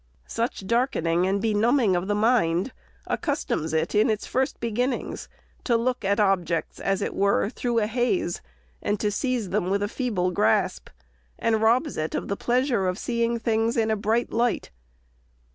Such darkening and benumbing of the mind accustoms it, in its first beginnings, to look at objects, as it were, through a haze, and to seize them with a feeble grasp, and robs it of the pleasure of seeing things in a bright light.